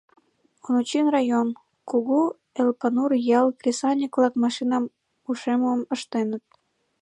Онучин район, Кугу Элпанур ял кресаньык-влак машина ушемым ыштеныт.